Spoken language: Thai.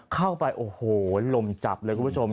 เข้าไปโอ้โหลมจับเลยคุณผู้ชม